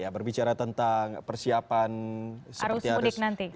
berbicara tentang persiapan arus mudik nanti